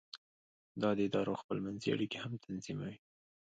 دا د ادارو خپل منځي اړیکې هم تنظیموي.